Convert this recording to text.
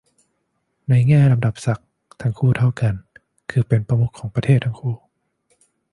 ในแง่ลำดับศักดิ์ ทั้งคู่เท่ากัน คือเป็นประมุขของประเทศทั้งคู่